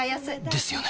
ですよね